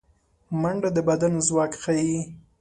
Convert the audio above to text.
منډه د بدن ځواک ښيي